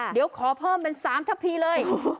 เดี๋ยวขอเพิ่มเป็น๓ทัพพีเลย